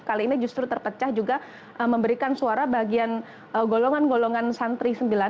kali ini justru terpecah juga memberikan suara bagian golongan golongan santri sembilan